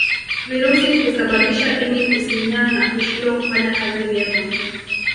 Virusi husababisha ini kusinyaa na kushindwa kufanya kazi vyema